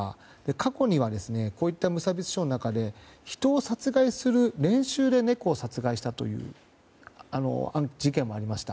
過去にはこういった無差別致傷の中で人を殺害する練習で猫を殺害したという事件もありました。